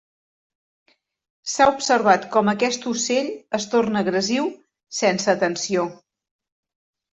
S'ha observat com aquest ocell es torna agressiu sense atenció.